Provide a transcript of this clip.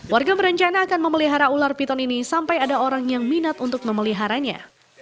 warga berencana akan memelihara ular piton ini sampai ada orang yang minat untuk memeliharanya